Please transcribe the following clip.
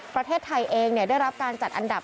ประเทศไทยเองได้รับการจัดอันดับ